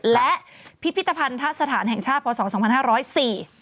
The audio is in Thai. และพิพิธภัณฑ์สถานแห่งชาติพศ๒๕๐๔